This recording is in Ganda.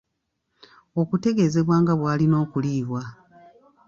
okutegeezebwa nga bw’alina okuliibwa